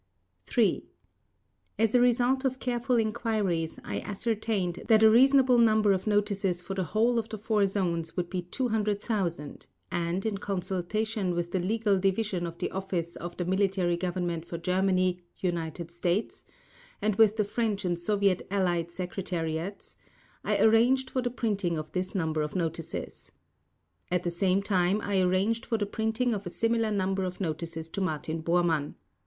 3. As a result of careful enquiries I ascertained that a reasonable number of notices for the whole of the four Zones would be 200,000 and, in consultation with the Legal Division of the Office of the Military Government for Germany (United States) and with the French and Soviet Allied Secretariats, I arranged for the printing of this number of notices. At the same time I arranged for the printing of a similar number of notices to Martin Bormann.